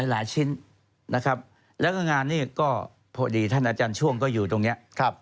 หลายชิ้นนะครับแล้วก็งานนี้ก็พอดีท่านอาจารย์ช่วงก็อยู่ตรงนี้